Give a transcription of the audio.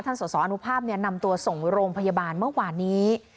สสอนุภาพนำตัวส่งโรงพยาบาลเมื่อวานนี้